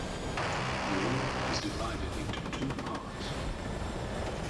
The road is divided into two parts.